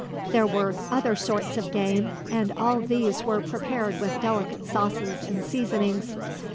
There were other sorts of game, and all these were prepared with delicate sauces and seasonings.